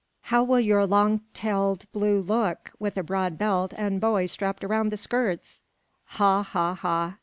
How will your long tailed blue look, with a broad belt and bowie strapped round the skirts? Ha! ha! ha!"